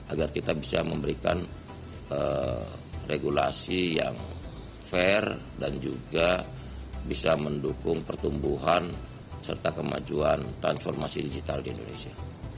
agar kita bisa memberikan regulasi yang fair dan juga bisa mendukung pertumbuhan serta kemajuan transformasi digital di indonesia